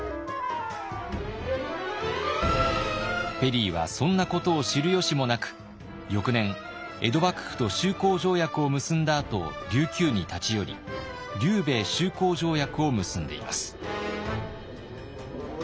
ペリーはそんなことを知る由もなく翌年江戸幕府と修好条約を結んだあと琉球に立ち寄り琉米修好条約を結んでいます。